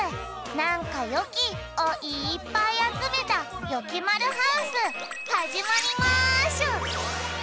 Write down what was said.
「なんかよき！」をいっぱいあつめたよきまるハウスはじまりましゅ！